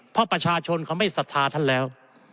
เพราะประชาชนเขาไม่ศรัทธาท่านแล้ว